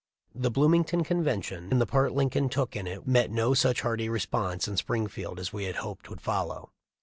The Bloomington convention and the part Lin coln took in it met no such hearty response in Springfield as we hoped would follow.